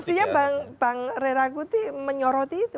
pastinya bang rera guti menyoroti itu